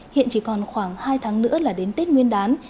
hiện chỉ còn khoảng hai tháng nữa là đến tết nguyên đán